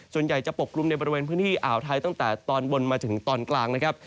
ส่วนใหญ่จะปกกลุ่มในบริเวณพื้นที่อ่าวไทยตั้งแต่ตอนบนมาถึงตอนกลางนะครับ